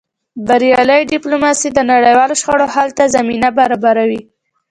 بریالۍ ډیپلوماسي د نړیوالو شخړو حل ته زمینه برابروي.